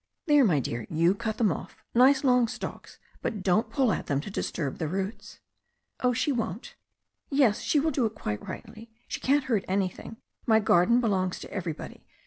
"There, my dear, you cut them off, nice long stalks, but don't pull at them to disturb the roots." "Oh, she won't " "Yes, she will do it quite rightly. She can't hurt any thing. My garden belongs to everybody.